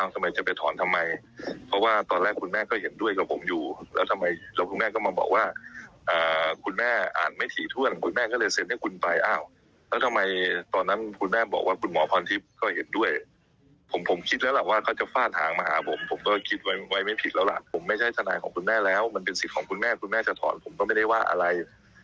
สิทธิ์ของคุณแม่คุณแม่จะถอนผมก็ไม่ได้ว่าอะไร